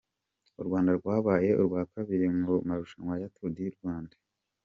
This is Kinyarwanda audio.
U Rwanda rwabaye urwakabiri mu marushanwa ya Tour fu Rwanda.